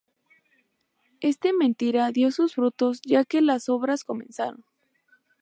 Este mentira dio sus frutos ya que las obras comenzaron.